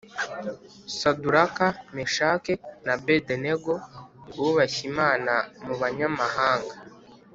Saduraka ,meshake na bedenego bubashye imana mubanyamahanga